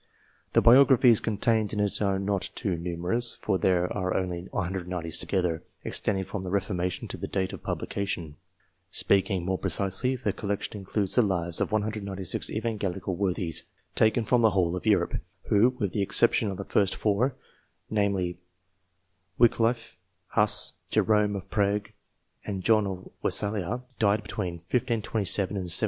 The biographies contained in it are not too numerous, for there are only 196 of them altogether, extending from the Reformation to the date of publication. Speaking more precisely, the collection includes the lives of 196 Evan DIVINES 251 gelical worthies, taken from the whole of Europe, who, with the exception of the four first namely, Wickliffe, Huss, Jerome of Prague, and John of Wesalia died between 1527 and 1785.